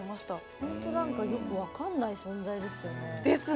本当によく分からない存在ですもんね。